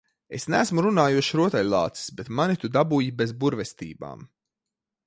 Es neesmu runājošs rotaļlācis, bet mani tu dabūji bez burvestībām.